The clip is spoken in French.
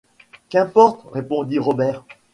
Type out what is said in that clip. Qu’importe! répondit Robert.